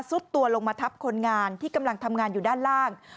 ตัวลงมาทับคนงานที่กำลังทำงานอยู่ด้านล่าง